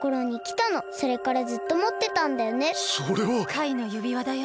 カイのゆびわだよ。